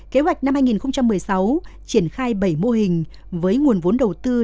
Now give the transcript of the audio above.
kế hoạch năm hai nghìn một mươi sáu triển khai bảy mô hình với nguồn vốn đầu tư là một năm trăm năm mươi triệu đồng